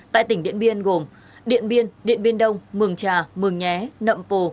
tại tỉnh điện biên gồm điện biên điện biên đông mường trà mường nhé nậm pồ